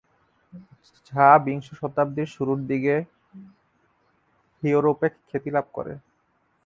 যা বিংশ শতাব্দীর শুরুর দিকে ইউরোপে খ্যাতি লাভ করে।